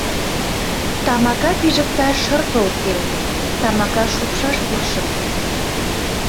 Тамака пижыкташ шырпе уке, тамака шупшаш пурышым.